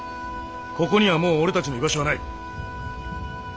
ここにはもう俺たちの居場所はない。